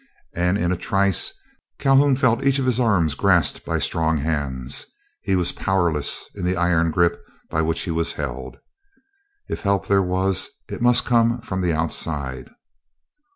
And in a trice Calhoun felt each of his arms grasped by strong hands. He was powerless in the iron grip by which he was held; if help there was, it must come from the outside.